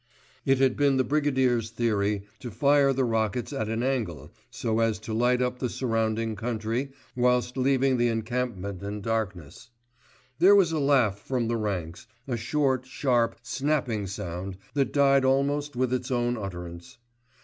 It had been the Brigadier's theory to fire the rockets at an angle so as to light up the surrounding country whilst leaving the encampment in darkness. There was a laugh from the ranks, a short, sharp, snapping sound that died almost with its own utterance.